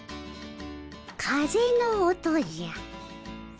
風の音じゃ。